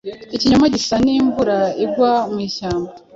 Ikinyoma gisa n’imvura igwa mu ishyamba.